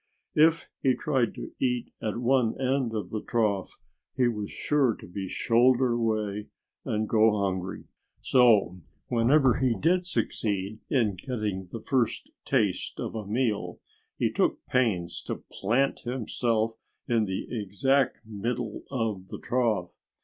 If he tried to eat at one end of the trough he was sure to be shouldered away and go hungry. So whenever he did succeed in getting the first taste of a meal he took pains to plant himself in the exact middle of the trough.